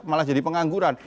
malah jadi pengangguran